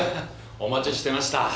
お待ちしてました。